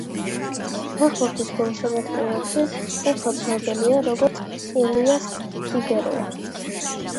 ფეხბურთის გულშემატკივრებში უფრო ცნობილია როგორც ელიას ფიგეროა.